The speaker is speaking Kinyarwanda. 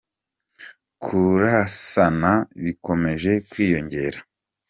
Kurasana bikomeje kwiyongera